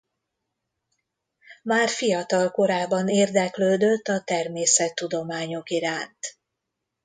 Már fiatal korában érdeklődött a természettudományok iránt.